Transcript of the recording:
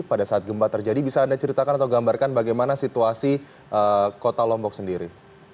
pada saat gempa terjadi bisa anda ceritakan atau gambarkan bagaimana situasi kota lombok sendiri